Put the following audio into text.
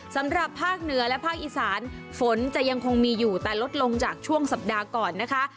สำหรับภาคเหนือและภาคอีสานฝนจะยังคงมีอยู่แต่ลดลงจากช่วงสัปดาห์ก่อนนะคะ